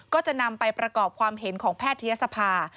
ก็จะนำไปประกอบความเห็นของแพทยศภา